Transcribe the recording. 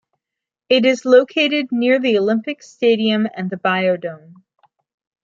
It is located near the Olympic stadium and the Biodome.